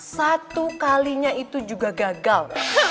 satu kalinya itu juga gagal